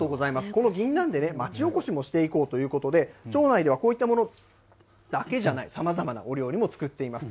このぎんなんで町おこしもしていこうということで、町内ではこういったものだけじゃない、さまざまなお料理も作っています。